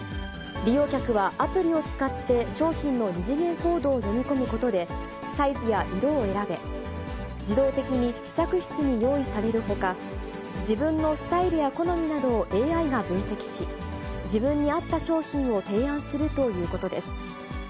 利用客はアプリを使って商品の二次元コードを読み込むことで、サイズや色を選べ、自動的に試着室に用意されるほか、自分のスタイルや好みなどをＡＩが分析し、自分に合った商品を提案するということです。